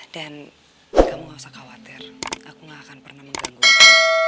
dan kamu gak usah khawatir aku gak akan pernah mengganggu kamu